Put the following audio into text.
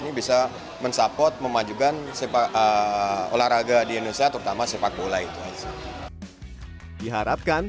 ini bisa mensupport memajukan sepak olahraga di indonesia terutama sepak bola itu aja diharapkan